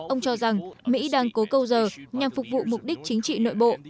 ông cho rằng mỹ đang cố câu giờ nhằm phục vụ mục đích chính trị nội bộ